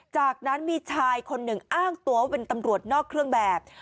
จากนั้นมีชายคนหนึ่งอ้างตัวว่าเป็นตำรวจนอกเครื่องแบบ